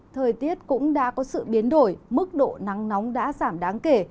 thời tiết cũng đã có sự biến đổi mức độ nắng nóng đã giảm đáng kể